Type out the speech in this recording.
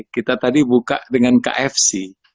kita tadi buka dengan kfc